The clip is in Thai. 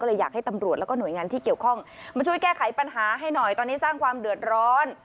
เลยอยากให้ตำรวจแล้วก็หน่วยงานที่เกี่ยวข้องมาช่วยแก้ไขปัญหาให้หน่อยตอนนี้สร้างความเดือดร้อน